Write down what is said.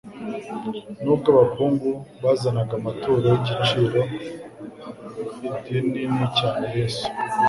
Nubwo abakungu bazanaga amaturo y'igiciro ldnini cyane Yesu